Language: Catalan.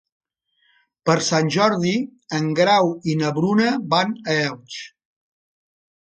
Per Sant Jordi en Grau i na Bruna van a Elx.